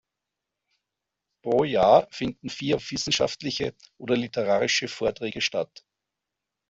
Pro Jahr finden vier wissenschaftliche oder literarische Vorträge statt.